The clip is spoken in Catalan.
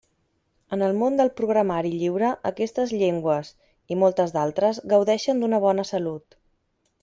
En el món del programari lliure, aquestes llengües, i moltes d'altres, gaudeixen d'una bona salut.